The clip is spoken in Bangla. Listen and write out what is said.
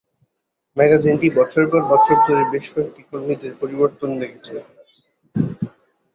ম্যাগাজিনটি বছরের পর বছর ধরে বেশ কয়েকটি কর্মীদের পরিবর্তন দেখেছে।